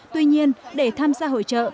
tuy nhiên để tham gia hội trợ